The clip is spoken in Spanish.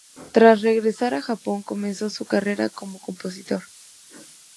Tras regresar a Japón, comenzó su carrera como compositor.